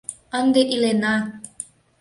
— Ынде илена!